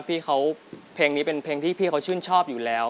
พี่เขาเพลงนี้เป็นเพลงที่พี่เขาชื่นชอบอยู่แล้ว